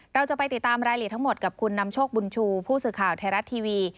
เราจะไปติดตามรายละเอียดทั้งหมดกับคุณนำโชคบุญชูผู้สื่อข่าวไทยรัฐทีวี